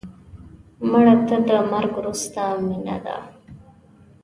مړه ته د مرګ وروسته مینه ده